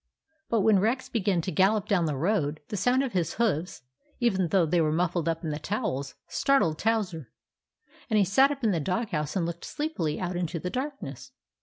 But when Rex began to gallop down the road, the sound of his hoofs, even though they were muffled up in the towels, startled Towser, and he sat up in the dog house and looked sleepily out into the darkness.